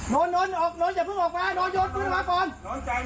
โน้นโน้นอย่างนี้โน้นโยนปืนมาไกลได้ไหม